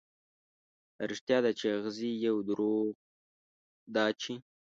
دا رښتيا ده، چې اغزي يو، دروغ دا چې